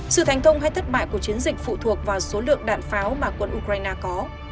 sự thành công hay thất bại của chiến dịch phụ thuộc vào số lượng đạn pháo mà quân ukraine có